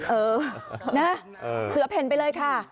เออนะเสือเพ่นไปเลยค่ะ